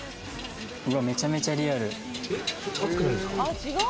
めちゃめちゃリアル。